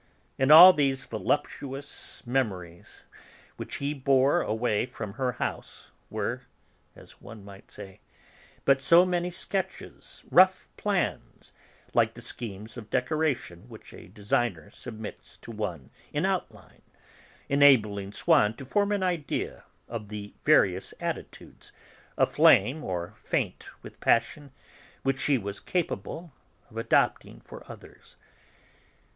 And all these voluptuous memories which he bore away from her house were, as one might say, but so many sketches, rough plans, like the schemes of decoration which a designer submits to one in outline, enabling Swann to form an idea of the various attitudes, aflame or faint with passion, which she was capable of adopting for others.